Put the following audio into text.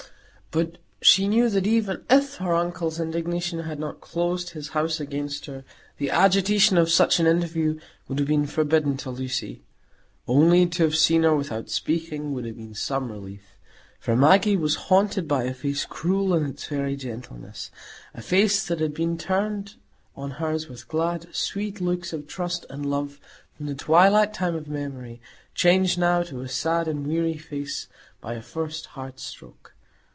But she knew that even if her uncle's indignation had not closed his house against her, the agitation of such an interview would have been forbidden to Lucy. Only to have seen her without speaking would have been some relief; for Maggie was haunted by a face cruel in its very gentleness; a face that had been turned on hers with glad, sweet looks of trust and love from the twilight time of memory; changed now to a sad and weary face by a first heart stroke.